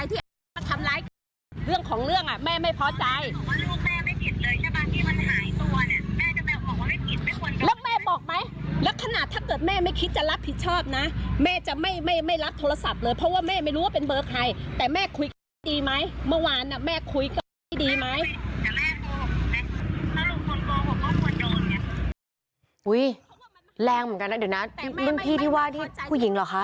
แรงเหมือนกันนะเดี๋ยวนะรุ่นพี่ที่ว่านี่ผู้หญิงเหรอคะ